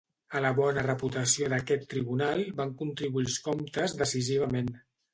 A la bona reputació d'aquest tribunal van contribuir els comtes decisivament.